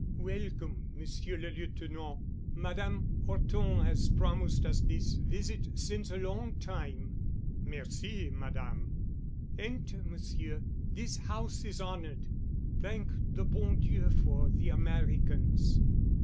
"Welcome, Monsieur le Lieutenant. Madame Horton has promised us this visit since a long time." "Merci, Madame." "Enter, Monsieur—this house is honored. Thank the bon Dieu for the Americans."